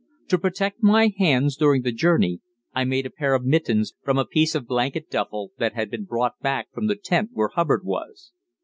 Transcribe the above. To protect my hands during the journey I made a pair of mittens from a piece of blanket duffel that had been brought back from the tent where Hubbard was.